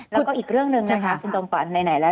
แล้วก็อีกเรื่องหนึ่งนะคะฉันจงฝันหลายแล้ว